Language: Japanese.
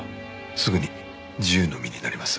すぐに自由の身になります。